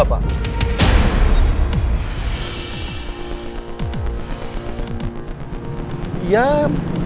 apanya enggak pak